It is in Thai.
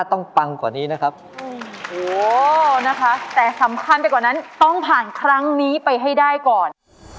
ต้องผ่านครั้งนี้ไปให้ได้ก่อน